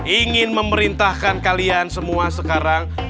ingin memerintahkan kalian semua sekarang